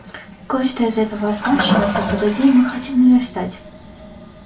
Кое-что из этого оставшегося позади мы хотим наверстать.